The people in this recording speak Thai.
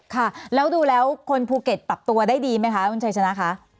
ค่ะแล้วดูแล้วคนภูเก็ตปรับตัวได้ดีไหมคะคุณชัยชนะคะ